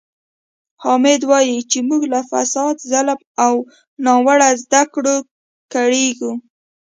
حامد وایي چې موږ له فساد، ظلم او ناوړه زده کړو کړېږو.